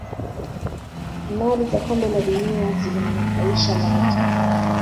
fainali za kombe la dunia zilimunufaisha Lato